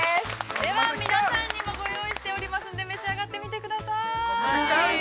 では皆さんにもご用意しておりますので、召し上がってみてください。